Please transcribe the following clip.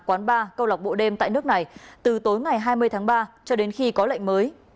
quán ba câu lạc bộ đêm tại nước này từ tối ngày hai mươi tháng ba cho đến khi có lệnh mới